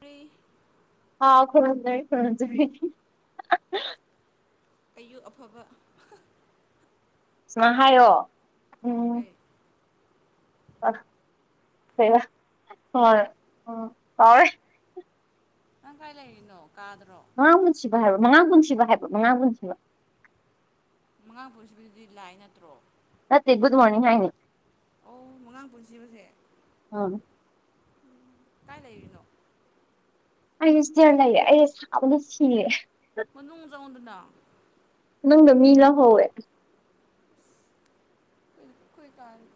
ꯇꯦ ꯍꯥꯎ ꯈꯨꯔꯖ ꯈꯨꯔꯖ ꯑꯌꯨꯛ ꯑꯐꯕ ꯁꯃ ꯍꯥꯏꯌꯣ ꯎꯝ ꯀꯩ ꯑꯔ ꯍ ꯎꯝ ꯍꯥꯎꯔꯦ ꯅ ꯀꯥꯏꯂ ꯀꯅꯣ ꯃꯉꯥ ꯃꯨꯟꯁꯤꯕ ꯍꯥꯏꯕ ꯃꯉꯥ ꯀꯨꯟꯁꯤꯕ ꯍꯥꯏꯕ ꯃꯉꯥ ꯀꯨꯟꯁꯤꯕ ꯑꯉꯥꯡ ꯄꯨꯁꯤꯕꯤꯗꯨꯗꯤ ꯂꯥꯏ ꯅꯠꯇ꯭ꯔꯣ ꯃꯦ ꯒꯗ ꯃꯔꯅꯤꯡ ꯍꯥꯏꯥꯏꯅꯦ ꯑꯣ ꯃꯉꯥꯡ ꯄꯨꯟꯁꯤꯕꯁꯦ ꯎꯝ ꯝ ꯀꯥꯏ ꯂꯩ ꯂꯩꯅꯣ ꯑꯩꯔ ꯂꯩꯌꯦ ꯑꯩꯁꯦ ꯁꯥꯕꯅ ꯁꯤꯌꯦꯦ ꯃꯅꯨꯡ ꯆꯥꯎꯗꯗ ꯅꯪꯅ ꯃꯤ ꯂꯧꯍꯧꯋꯦ ꯀ ꯅꯤ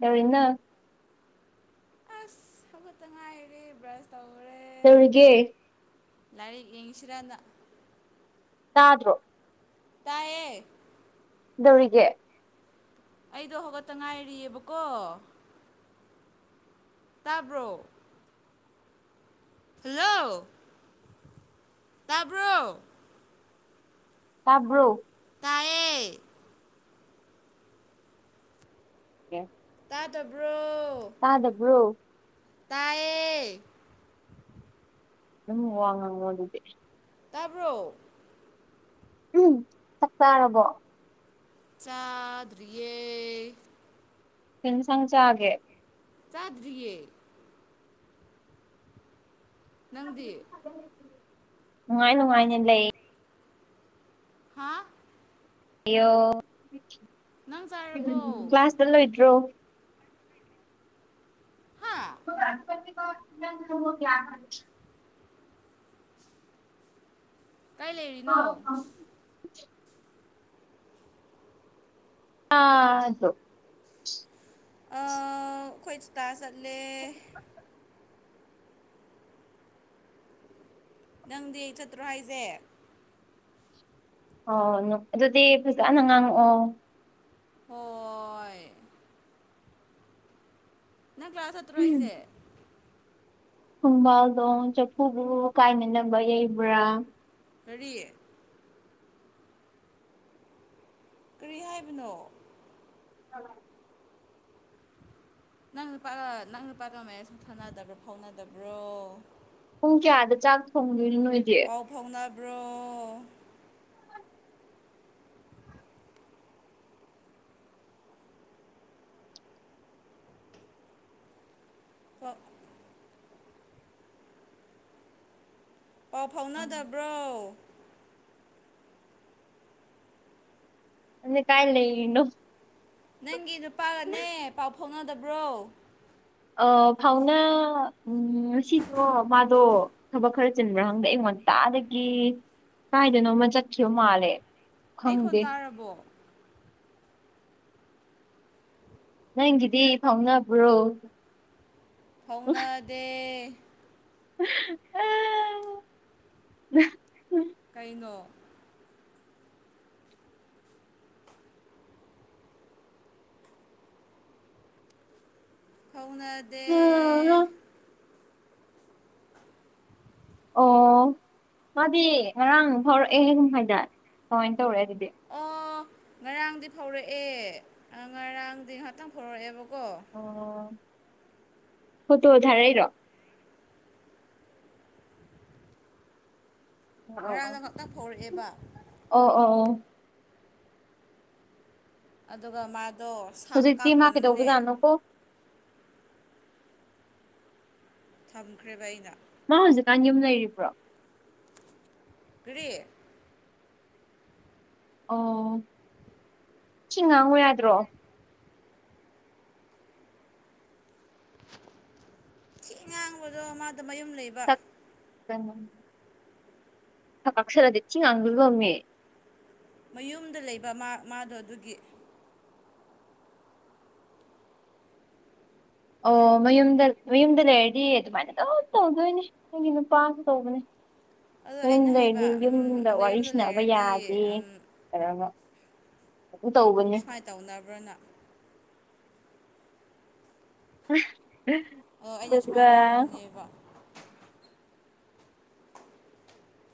ꯗꯧꯔꯤꯅ ꯑꯁ ꯍꯧꯐꯠꯇ ꯉꯥꯏꯔꯦ ꯕ꯭ꯔꯁ ꯇꯧꯈꯔꯦ ꯅꯒꯦ ꯂꯔꯤ ꯌꯦꯡꯁꯤꯔꯗ ꯇꯥꯗ꯭ꯔꯣ ꯇꯌꯦ ꯗꯧꯔꯤꯒ ꯑꯩꯗꯣ ꯍꯧꯒꯠꯇ ꯉꯥꯏꯔꯤꯑꯕꯀꯣ ꯇꯥꯕ꯭ꯔꯣ ꯍꯜꯂꯣ ꯇꯥꯕ꯭ꯔꯣ ꯇꯥꯕ꯭ꯔꯣ ꯇꯏꯌꯦꯦ ꯑꯣꯦ ꯇꯥꯗꯕ꯭ꯔꯣ ꯇꯥꯗꯕ꯭ꯔꯣ ꯇꯏꯌꯦ ꯎꯝ ꯋꯥꯉꯗꯗꯦ ꯇꯥꯕ꯭ꯔꯣ ꯎꯝ ꯆꯞ ꯆꯥꯔꯕꯣ ꯆꯥꯗꯔꯤꯦ ꯊꯅ ꯆꯪ ꯆꯑꯒꯦ ꯆꯥꯗꯔꯤꯌꯦ ꯅꯪꯗꯤ ꯅꯨꯡꯉꯥꯏ ꯅꯨꯡꯉꯥꯏꯅ ꯂꯩ ꯍꯥꯥ ꯑꯌꯣ ꯅꯪ ꯆꯥꯔꯕꯣ ꯀ꯭ꯂꯥꯁꯇ ꯂꯣꯏꯗ꯭ꯔꯣ ꯍꯥ ꯏ ꯀ ꯈꯔ [unintelligible] ꯀꯥꯏ ꯂꯩꯔꯤꯅꯣ ꯑꯗꯣ ꯑꯗꯣ ꯈꯁꯨ ꯇꯥꯁꯂ [unintelligible] ꯅꯪꯗꯤ ꯑꯩ ꯆꯠꯇ꯭ꯔꯣ ꯍꯥꯏꯁꯦ ꯑꯣ ꯑꯗꯨꯗꯤ ꯐꯖꯅ ꯉꯥꯡꯉꯛꯑꯣ ꯍꯣꯏ ꯅꯪ ꯀ꯭ꯂꯥꯁ ꯍꯥꯠꯇ꯭ꯔꯣ ꯍꯥꯏꯁꯦ ꯈꯣꯡꯕꯥꯜꯗꯣꯡ ꯆꯐꯨꯕꯨ ꯀꯥꯏꯅꯅꯕ ꯌꯩꯕ꯭ꯔꯥ ꯑꯌꯦ ꯀꯔꯤ ꯍꯥꯏꯕꯅꯣ ꯑ ꯅꯪ ꯅꯨꯄꯥꯒ ꯅꯪ ꯅꯨꯄꯥꯒ ꯃꯅ ꯁꯨꯝ ꯊꯥꯅꯗꯕ꯭ꯔꯣ ꯐꯥꯎꯅꯗꯕ꯭ꯔꯣ ꯄꯨꯡ ꯀꯌꯥꯗ ꯆꯥꯛ ꯊꯣꯡꯗꯣꯏꯅꯣ ꯅꯣꯏꯗꯤ ꯕ꯭ꯔꯣ ꯀ ꯄꯥꯎ ꯐꯥꯎꯅꯗꯕ꯭ꯔꯣ ꯑ ꯀꯥꯏ ꯂꯩꯅꯣ ꯅꯪꯒꯤ ꯅꯨꯄꯥꯒꯅꯦ ꯄꯥꯎ ꯐꯥꯎꯅꯗꯕ꯭ꯔꯣ ꯑ ꯐꯥꯎꯅꯥ ꯎ ꯉꯁꯤꯗꯣ ꯃꯥꯗꯣ ꯊꯕꯛ ꯈꯔ ꯆꯤꯟꯕ꯭ꯔꯥ ꯍꯪꯗꯦ ꯑꯩꯉꯣꯟ ꯉꯇꯥꯗꯒꯤ ꯀꯥꯏꯗꯅꯣꯃ ꯆꯠꯈꯤꯕꯌꯣ ꯃꯥꯜꯂꯦ ꯑꯩ ꯈꯣꯟ ꯈꯪꯗꯦ ꯇꯥꯔꯕꯣ ꯅꯪꯒꯤꯗꯤ ꯐꯥꯎꯅꯕ꯭ꯔꯣ ꯍꯧꯅꯥꯗꯦ ꯑ ꯀꯩꯅꯣ ꯍꯧꯅꯥꯗꯦ ꯑꯣ ꯃꯥꯗꯤ ꯉꯔꯥꯡ ꯐꯥꯎꯔꯛꯑꯦ ꯍ ꯀꯨꯝ ꯍꯥꯏꯥꯏꯗ ꯀꯃꯥꯏꯅ ꯑꯣꯦꯗꯗꯤꯦ ꯑꯣ ꯉꯔꯥꯡꯗꯤ ꯐꯧꯔꯛꯑꯦ ꯉꯔꯥꯡꯗꯤ ꯉꯍꯥꯛꯇꯪ ꯐꯧꯔꯛꯑꯦꯕ ꯍꯣ ꯇꯣ ꯊꯔꯩꯔꯣ ꯉꯔꯥꯡꯗ ꯑꯣ ꯉꯍꯥꯛꯇꯪ ꯐꯥꯎꯔꯛꯑꯦꯕ ꯑꯣ ꯑꯣ ꯑꯗꯨꯒ ꯃꯥꯗꯣ ꯁꯥꯛ ꯍꯧꯖꯤꯛꯇꯤ ꯃꯥ ꯀꯥꯞꯇꯅꯅꯦ ꯀꯩꯗꯧꯕꯖꯥꯠꯅꯣꯀꯣ ꯊꯝꯈ꯭ꯔꯦꯕ ꯑꯩꯅ ꯃꯥ ꯍꯧꯖꯤꯛꯀꯥꯟ ꯌꯨꯝ ꯂꯩꯔꯤꯕ꯭ꯔꯣ ꯇꯦ ꯑꯣ ꯁꯤ ꯉꯥꯡꯕ ꯌꯥꯗ꯭ꯔꯣ ꯊꯤ ꯉꯥꯡꯕꯗꯣ ꯃꯥꯗꯣ ꯃꯌꯨꯝ ꯂꯩꯕ ꯁꯛ ꯊ ꯀꯥꯛꯁꯔꯗꯤ ꯑꯗꯨꯕ ꯃꯦꯌꯦꯛ ꯃꯌꯨꯝꯗ ꯂꯩꯕ ꯃꯥ ꯃꯥꯗꯣ ꯑꯗꯨꯒꯤ ꯑꯣ ꯃꯌꯨꯝꯗ ꯃꯌꯨꯝꯗ ꯂꯩꯔꯗꯤ ꯑꯗꯨꯃꯥꯏꯅ ꯑꯗꯨꯝ ꯇꯧꯗꯣꯏꯅꯦ ꯅꯪꯒꯤ ꯅꯨꯄꯥ ꯇꯧꯕꯅꯦ ꯑꯗꯣ ꯑꯩꯅ ꯌꯨꯝꯗꯩꯗꯤ ꯍꯥꯏꯕ ꯎꯝ ꯌꯨꯝꯗ ꯋꯥꯔꯤ ꯅꯌꯨꯝꯗ ꯁꯅꯕ ꯌꯥꯗꯦ ꯂꯩꯔꯗꯤ ꯎꯝ ꯀ ꯁꯨꯃꯥꯏꯅ ꯇꯧꯅꯕ꯭ꯔꯅ ꯎꯝ ꯑꯩꯅ ꯁꯨꯃꯥꯏꯅ ꯉꯥꯡꯕꯅꯦꯕ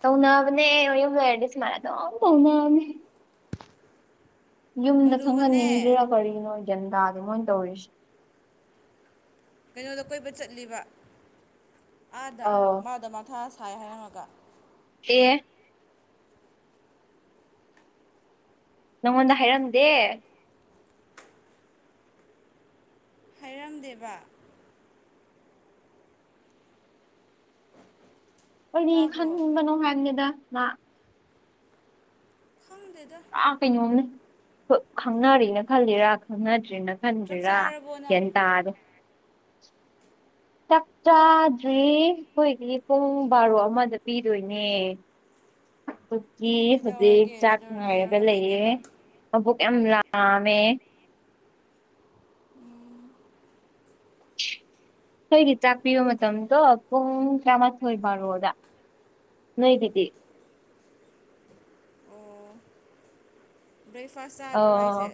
ꯇꯧꯅꯕꯅꯦ ꯍꯥꯏꯔꯗꯁ ꯃꯥꯔꯗ ꯇꯧꯅ ꯌꯨꯝꯗ ꯑꯗꯨꯒꯅꯦ ꯈꯪꯍꯟꯅꯤꯡꯗ꯭ꯔꯥ ꯀꯔꯤꯅꯣ ꯒ꯭ꯌꯥꯟ ꯇꯥꯗꯦ ꯃꯣꯏꯅ ꯇꯧꯔꯤꯁꯦ ꯀꯩꯅꯣꯗ ꯀꯣꯏꯕ ꯆꯠꯂꯤꯕ ꯑꯥꯗ ꯑꯧ ꯃꯥꯗ ꯃꯊꯁꯤ ꯊꯥꯏ ꯍꯥꯏꯔꯝꯃꯒ ꯑꯦ ꯅꯉꯣꯟꯗ ꯍꯥꯏꯔꯝꯗꯦ ꯍꯥꯏꯔꯝꯗꯦꯕ ꯀꯔꯤ ꯇꯥꯕ꯭ꯔꯣ ꯈꯟꯕꯅꯣ ꯍꯥꯏꯕꯒꯦꯗ ꯃꯥ ꯈꯪꯗꯦꯗ ꯑꯥ ꯀꯩꯅꯣꯝꯅꯦ ꯈꯪꯅꯔꯤꯅ ꯈꯜꯂꯤꯔꯥ ꯈꯪꯅꯗ꯭ꯔꯦꯅ ꯆꯥꯛ ꯈꯟꯗ꯭ꯔꯤꯔꯥ ꯆꯥꯔꯕꯣ ꯅꯪ ꯟ ꯇꯥꯔꯦ ꯆꯥꯛ ꯆꯥꯗ꯭ꯔꯤ ꯑꯩꯈꯣꯏꯒꯤ ꯄꯨꯡ ꯕꯥꯔꯣ ꯑꯃꯗ ꯄꯤꯗꯣꯏꯅꯦ ꯑ ꯤ ꯍꯧꯖꯤꯛ ꯀꯩꯗꯧꯔꯒꯦ ꯆꯥꯛ ꯀꯩꯗꯧꯔ ꯉꯥꯏꯔꯒ ꯀꯩꯗꯧꯔꯒ ꯂꯩꯌꯦ ꯂꯩꯒꯦꯕ ꯃꯕꯣꯛ ꯌꯥꯝ ꯂꯥꯝꯃꯦ ꯑꯩꯈꯣꯏꯒꯤ ꯆꯥꯛꯄꯤꯕ ꯃꯇꯝꯗꯣ ꯄꯨꯡ ꯇꯔꯥꯃꯥꯊꯣꯏ ꯕꯥꯔꯣꯗ ꯅ ꯤꯗꯤ ꯑ ꯕ꯭ꯔꯦꯛꯐꯥꯁꯗ꯭ꯔꯣ ꯑꯩꯁꯦ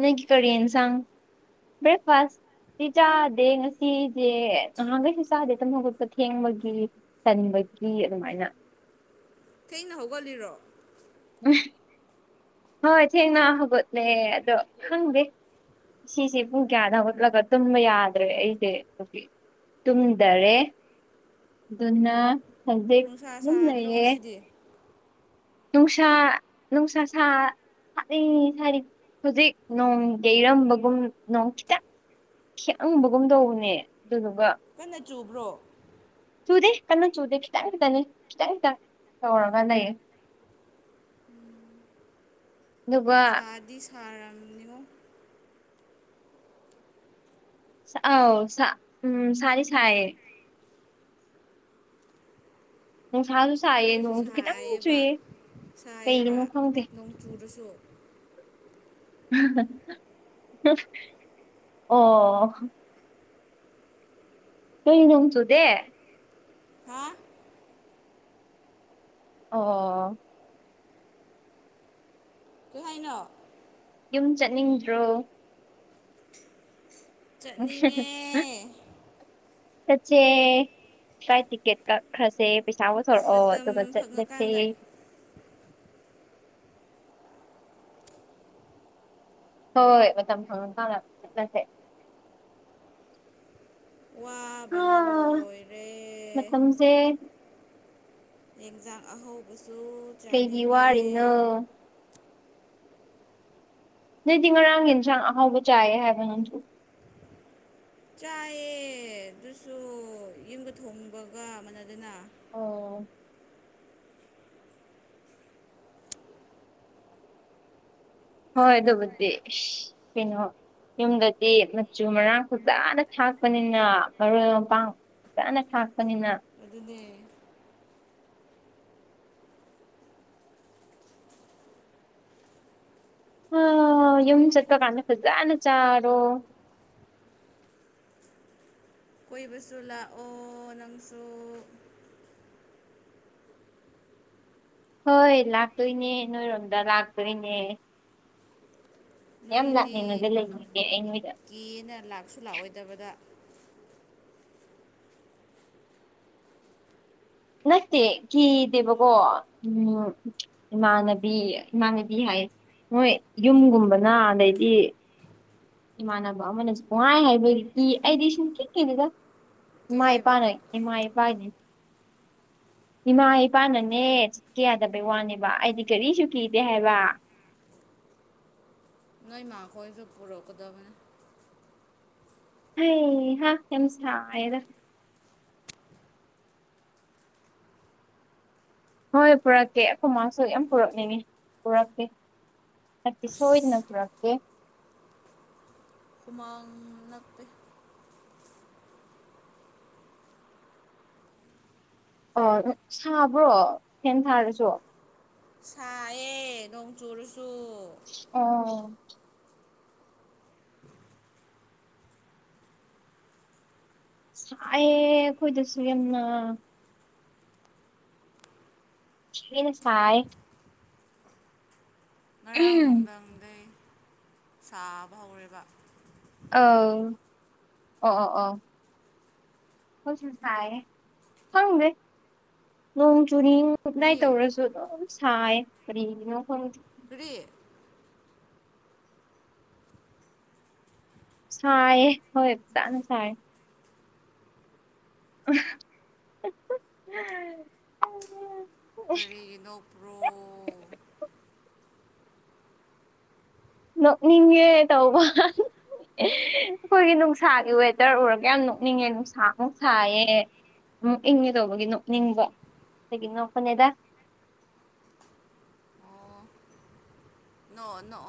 ꯅꯒꯤ ꯀ ꯌꯦꯅ ꯁ ꯕ꯭ꯔꯦꯛꯐꯥꯁꯥꯁ ꯁꯤ ꯆꯥꯗꯦ ꯉꯁꯤꯁꯦ ꯅꯍꯥꯟꯒꯩꯁꯨ ꯆꯥꯗꯦ ꯇꯝ ꯍꯧꯒꯠꯄ ꯊꯦꯡꯕꯒꯤ ꯆꯟꯕꯒꯤ ꯑꯗꯒꯤ ꯑꯗꯨꯃꯥꯏꯅ ꯊꯅ ꯍꯧꯒꯠꯂꯤꯔꯣ ꯍꯣꯏ ꯊꯦꯡꯅ ꯍꯧꯒꯣꯠꯅꯦ ꯑꯗꯣ ꯈꯪꯗꯦ ꯁꯤꯁꯦ ꯄꯨꯡ ꯀꯌꯥꯗ ꯎꯠꯂꯒ ꯇꯨꯝꯕ ꯌꯥꯗ꯭ꯔꯦ ꯑꯩꯁꯦ ꯍꯧꯖꯤꯛ ꯇꯨꯝꯗꯔꯦ ꯑꯗꯨꯅ ꯑꯗꯨꯗ ꯈꯨ ꯅꯨꯡꯁꯥ ꯑꯗꯨꯝ ꯁꯥꯗ꯭ꯔꯣ ꯅꯌꯦꯦ ꯉꯁꯤꯗꯤ ꯅꯨꯡꯁꯥ ꯅꯨꯡꯁꯥ ꯁꯥ ꯍꯥꯏ ꯁꯥꯗꯤ ꯍꯧꯖꯤꯛ ꯅꯣꯡꯒꯤ ꯏꯔꯝꯕꯒꯨꯝ ꯅꯣꯡ ꯈꯤꯇꯪ ꯁ ꯑꯪꯕꯒꯨꯝ ꯇꯧꯕꯅꯦ ꯑꯗꯨꯗꯨꯒ ꯀꯟꯅ ꯆꯨꯕ꯭ꯔꯣ ꯆꯨꯗꯦ ꯀꯟꯅ ꯆꯨꯗꯦ ꯈꯤꯇꯪ ꯈꯤꯛꯇꯅꯤ ꯈꯤꯇꯪꯇ ꯇꯧꯔꯒ ꯂꯩꯌꯦ ꯎꯝ ꯑꯗꯨꯒꯗꯨꯕ ꯊꯥꯔꯝꯅꯤꯉꯨ ꯑꯥꯎ ꯎꯝ ꯁꯔꯤ ꯁꯑ ꯆ ꯑꯩꯈꯣꯏꯁꯨ ꯁꯥꯏꯑꯕ ꯁꯥꯏꯌꯦꯕ ꯀꯩꯒꯤꯅꯣ ꯈꯪꯗꯦ ꯅꯣꯡꯆꯨꯗꯁꯨ ꯑꯣ ꯇꯨ ꯂ ꯆꯣ ꯗꯦ ꯍꯥ ꯑꯥ ꯀꯥꯏꯅꯣ ꯌꯨꯝ ꯆꯠꯅꯤꯡꯗ꯭ꯔꯣ ꯆꯠꯅꯤꯡꯉꯦ ꯇꯆ ꯀꯥꯏ ꯇꯤꯛꯦꯠ ꯀ ꯈꯥꯁꯦ ꯄꯩꯁꯥ ꯁ ꯃꯇꯝ ꯑꯗꯨꯒ ꯆꯁ ꯐꯪꯉꯀꯥꯟꯗ ꯍꯣꯏ ꯃꯇꯝ ꯈꯪ ꯈꯪ ꯆꯠꯂꯁꯦ ꯍꯥ ꯋꯥꯕꯅ ꯂꯣꯏꯔꯦ ꯃꯇꯝꯁꯦ ꯌꯦꯟꯁꯥꯡ ꯑꯍꯧꯕ ꯀꯩꯗꯤ ꯋꯥꯔꯤꯅ ꯅꯗꯤ ꯉꯔꯥꯡ ꯌꯦꯟꯁꯥꯡ ꯑꯍꯥꯎꯕ ꯆꯥꯏꯌꯦ ꯍꯥꯏꯕ ꯅꯪꯁꯨ ꯆꯥꯏꯑ ꯑꯗꯨꯁꯨ ꯌꯨꯝꯒ ꯊꯣꯡꯕꯒ ꯃꯅꯗꯅ ꯑꯣ ꯍꯣꯏꯗ‌ꯦ ꯀꯩꯅꯣ ꯌꯨꯝꯗꯗꯤ ꯃꯆꯨ ꯃꯔꯥꯡ ꯐꯖꯅ ꯊꯥꯛꯄꯅꯤꯅ ꯃꯔꯣꯏ ꯃꯄꯥꯡ ꯆꯥꯅ ꯊꯥꯛꯄꯅꯤꯅ ꯑꯗꯨ ꯑꯗꯨꯅꯦ ꯑ ꯌꯨꯝ ꯆꯠꯄ ꯀꯥꯟꯗ ꯐꯖꯅ ꯆꯥꯔꯣ ꯀꯣꯏꯕꯁꯨ ꯂꯥꯛꯑꯣ ꯅꯪꯁꯨ ꯍꯣꯏ ꯂꯥꯛꯇꯣꯏꯅꯦ ꯅꯣꯏꯔꯣꯝꯗ ꯂꯥꯛꯇꯣꯏꯅꯦ ꯌꯥꯝ ꯅꯣꯏꯗꯤ ꯂꯥꯛꯅꯤꯡꯉꯒ ꯂꯩꯔꯤꯅꯦ ꯑꯩ ꯅꯣꯏꯗ ꯀꯦꯅ ꯂꯥꯛꯁꯨ ꯂꯥꯛꯑꯣꯏꯗꯕꯗ ꯅꯠꯇꯦ ꯀꯤꯗꯦꯕꯀꯣ ꯎꯝ ꯏꯃꯥꯟꯅꯕꯤ ꯏꯃꯥꯟꯅꯕꯤ ꯍꯥꯏ ꯃꯣꯏ ꯌꯨꯝꯒꯨꯝꯕꯅ ꯑꯗꯩꯗꯤ ꯏꯃꯥꯟꯅꯕ ꯑꯃꯅꯁꯨꯉꯥꯏ ꯍꯥꯏꯕꯒꯤ ꯏ ꯑꯩꯗꯤ ꯁꯨꯝ ꯀꯦꯛꯀꯩꯅꯤꯗ ꯀꯩ ꯏꯃꯥꯏ ꯍꯥꯏꯕ ꯄꯅ ꯏꯃꯥꯏ ꯄꯅꯤ ꯏꯃꯥ ꯏꯄꯥꯅꯅꯦ ꯆꯠꯀꯦ ꯌꯥꯗꯕꯩ ꯋꯥꯅꯦꯕ ꯑꯩꯗꯤ ꯀꯔꯤꯁꯨ ꯀꯤꯗꯦ ꯍꯥꯏꯕ ꯅꯣꯏ ꯃꯥꯈꯣꯏꯁꯨ ꯄꯨꯔꯣ ꯀꯗꯕꯅꯦ ꯍ ꯍꯥꯁꯗ ꯍꯣꯏ ꯄꯨꯔꯛꯀꯦ ꯑꯩꯈꯣꯏ ꯃꯥꯁꯨ ꯌꯥꯝ ꯄꯨꯔꯛꯅꯤꯡꯉꯤ ꯄꯨꯔꯛꯀꯦ ꯍꯥꯏꯗꯤ ꯁꯣꯏꯗꯅꯠꯇ꯭ꯔꯀꯦ ꯍꯃꯥꯡ ꯅꯄꯤꯦ ꯑ ꯁꯥꯕ꯭ꯔꯣ ꯐꯦꯟ ꯊꯥꯔꯁꯨ ꯁ ꯑꯦ ꯅꯣꯡ ꯆꯨꯔ ꯑꯣ ꯁꯥꯌꯦ ꯀꯣꯏꯗꯁꯨ ꯌꯥꯝꯦꯝꯅ ꯁꯤ ꯁꯥꯏ ꯉꯔꯥꯡ ꯑꯧ ꯅꯨꯡꯊꯪꯗꯩ ꯁꯥꯕ ꯍꯧꯔꯦꯕ ꯑ ꯑꯣ ꯑꯣ ꯑꯣ ꯍꯧꯁꯨ ꯁꯥꯏꯌꯦ ꯈꯪꯗ‌ꯣꯡ ꯆꯨꯔꯤꯡ ꯃꯛꯅꯥꯏ ꯀꯔꯤ ꯇꯧꯔꯁꯨ ꯑꯗꯨꯝ ꯁꯥꯏ ꯀꯔꯤꯒꯤꯅꯣꯐꯝ ꯔꯤ ꯁꯥꯏ ꯍꯣꯏ ꯐꯖꯥꯅ ꯁꯥꯏ [unintelligible] ꯀꯔꯤꯒꯤꯅꯣꯄ꯭ꯔꯣ ꯅ ꯅꯤꯡꯦ ꯇꯧꯕꯕ ꯑꯩꯈꯣꯏꯒꯤ ꯅꯨꯡꯁꯥꯒꯤ ꯋꯦꯗꯔ ꯎꯔꯒ ꯌꯥꯝ ꯅꯣꯛꯅꯤꯡꯉꯦ ꯅꯨꯡꯁꯥ ꯅꯨꯡꯁꯥꯏꯌꯦ ꯎꯝ ꯏꯪꯒꯦ ꯇꯧꯕꯒꯤ ꯅꯣꯛꯅꯤꯡꯕꯣ ꯀꯒꯤ ꯅꯣꯄꯅꯦꯗ ꯑꯣ ꯅꯣ ꯅꯣ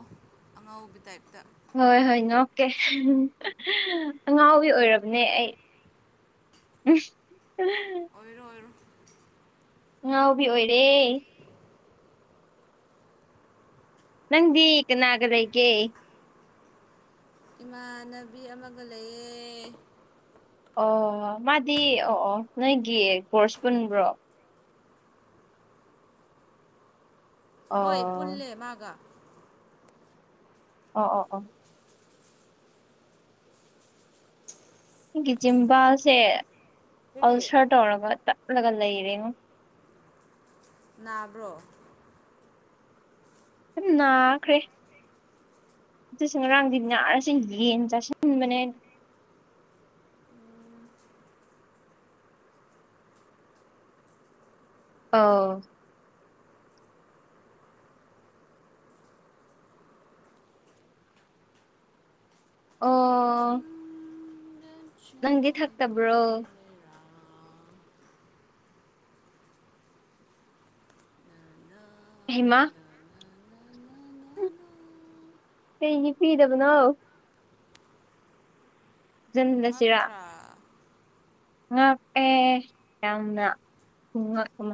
ꯑꯉꯧꯕꯤ ꯇꯥꯏꯞꯇ ꯍꯣꯏ ꯍꯣꯏ ꯉꯣꯛꯀꯦ ꯑꯉꯥꯎꯕꯤ ꯑꯣꯏꯔꯕꯅꯦ ꯑꯩ ꯎ [unintelligible] [inaudible] ꯑꯣꯏꯔꯣ ꯑꯣꯏꯔꯣ ꯉ ꯉꯥꯎꯕꯤ ꯑꯣꯏꯔꯦ ꯅꯪꯗꯤ ꯀꯅꯥꯒꯗꯒꯦ ꯏꯃꯥꯟꯅꯕꯤ ꯑꯃꯒ ꯂꯩꯌꯦ ꯑꯣ ꯃꯥꯗꯤ ꯑꯣ ꯑꯣ ꯅꯣꯏꯒꯤ ꯀꯣꯔꯁ ꯄꯨꯟꯕ꯭ꯔꯣ ꯍꯣꯏ ꯑꯣ ꯄꯨꯟꯂꯦ ꯃꯥꯒꯥ ꯑ ꯑ ꯑ [unintelligible] [inaudible] ꯒꯤꯆꯖꯤꯝꯕꯥꯁꯦ ꯀꯔꯤ ꯑꯜꯁꯔ ꯇꯧꯔꯒ ꯂꯒ ꯂꯩ ꯂꯩꯔꯦꯅ ꯅꯥꯕ꯭ꯔꯣ ꯌꯥꯝ ꯅꯥꯈ꯭ꯔꯦ ꯆ ꯆꯠꯁ ꯉꯔꯥꯡꯗꯤ ꯅꯥꯔꯁ ꯌꯦꯟ ꯆꯥꯁꯤꯟꯕꯅꯦꯅ ꯑꯥ ꯑꯣ ꯆꯤꯡꯗ ꯅꯪꯗꯤ ꯆꯠꯄꯤ ꯊꯛꯇꯕ꯭ꯔꯣ ꯂꯩꯔꯥꯡ ꯅꯅꯥ ꯍꯤꯃꯥ ꯅꯅꯥ ꯅꯅꯥ ꯅꯅꯥ ꯀꯁꯤ ꯐꯤꯗ ꯅꯥꯑꯣ ꯅꯠꯇ꯭ꯔ ꯉꯅꯦ ꯌꯥꯝ ꯎꯉ